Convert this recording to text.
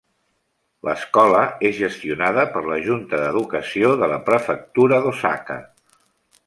L'escola és gestionada per la junta d'educació de la prefectura d'Osaka.